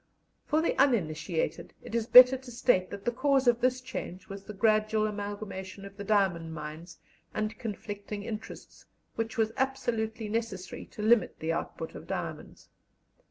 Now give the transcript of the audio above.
For the uninitiated it is better to state that the cause of this change was the gradual amalgamation of the diamond mines and conflicting interests, which was absolutely necessary to limit the output of diamonds.